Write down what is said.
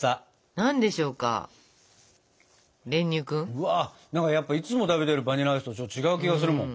うわやっぱいつも食べてるバニラアイスとちょっと違う気がするもん。